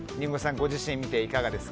ご自身見ていかがですか。